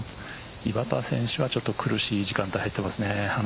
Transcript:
岩田選手はちょっと苦しい時間帯に入っていますね。